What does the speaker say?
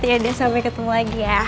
yaudah sampai ketemu lagi ya